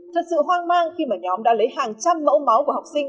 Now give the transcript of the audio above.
thật sự hoang mang khi mà nhóm đã lấy hàng trăm mẫu máu của học sinh